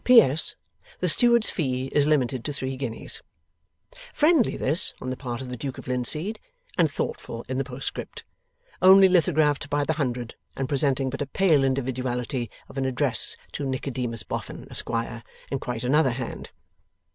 P.S. The Steward's fee is limited to three Guineas.' Friendly this, on the part of the Duke of Linseed (and thoughtful in the postscript), only lithographed by the hundred and presenting but a pale individuality of an address to Nicodemus Boffin, Esquire, in quite another hand.